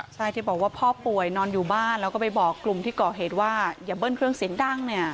ใช่ที่บอกว่าพ่อป่วยนอนอยู่บ้านแล้วก็ไปบอกกลุ่มที่ก่อเหตุว่าอย่าเบิ้ลเครื่องเสียงดังเนี่ย